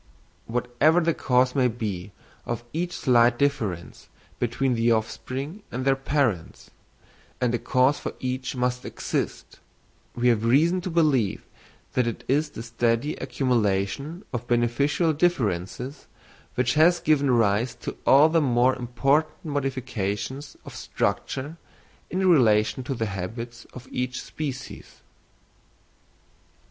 Whatever the cause may be of each slight difference between the offspring and their parents—and a cause for each must exist—we have reason to believe that it is the steady accumulation of beneficial differences which has given rise to all the more important modifications of structure in relation to the habits of each species.